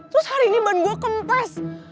terus hari ini ban gue kempes